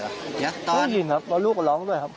ได้ยินครับแล้วลูกก็ร้องด้วยครับ